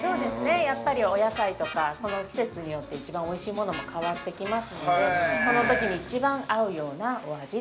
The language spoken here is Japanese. ◆やっぱりお野菜とか、その季節によって一番おいしいものも変わってきますので、そのときに一番合うようなお味と。